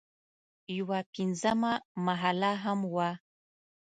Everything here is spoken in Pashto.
یوه پنځمه محله هم وه.